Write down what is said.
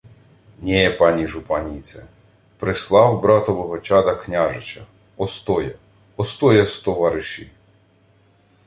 — Нє, пані жупаніце. Прислав братового чада, княжича... Остоя. Остоя з товариші.